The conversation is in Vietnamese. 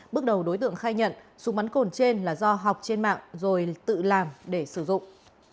bước đầu đối tượng khai nhận súng bắn cồn trên là do học trên mạng rồi tự làm để sử dụng